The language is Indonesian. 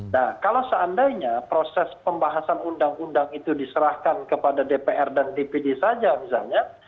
nah kalau seandainya proses pembahasan undang undang itu diserahkan kepada dpr dan dpd saja misalnya